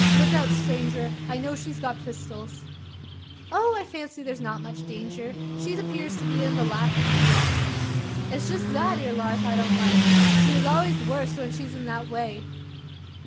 Look out stranger! I know she's got pistols." "Oh! I fancy there's not much danger. She appears to be in the laughing mood." "It's jest that ere larf I don't like: she's allers wust when she's in that way."